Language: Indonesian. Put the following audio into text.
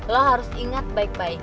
lo harus ingat baik baik